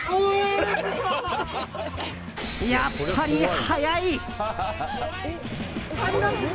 やっぱり速い！